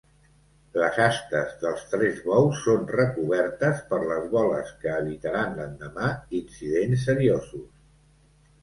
Les astes dels tres bous són recobertes per les boles que evitaran l'endemà incidents seriosos.